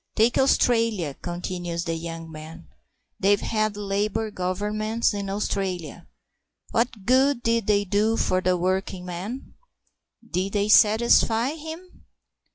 "Take Australia," continues the young man; "they've had Labour Governments in Australia. What good did they do for the working man? Did they satisfy him?